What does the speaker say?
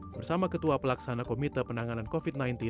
bersama ketua pelaksana komite penanganan covid sembilan belas